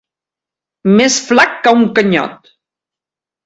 Més flac que un canyot.